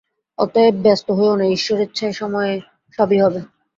অতএব ব্যস্ত হয়ো না, ঈশ্বরেচ্ছায় সময়ে সবই হবে।